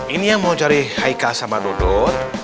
ini yang mau cari haikal sama dodot